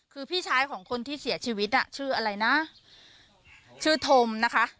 คือพี่ชายของคนที่เสียชีวิตน่ะชื่ออะไรนะชื่อธมนะคะ